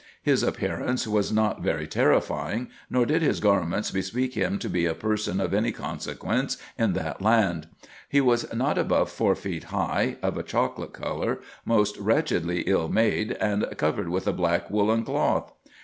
His appearance was not very terrifying, nor did his garments bespeak him to be a person of any consequence in that land. He was not above four feet high, of a chocolate colour, most wretchedly ill made, and covered with a black woollen cloth.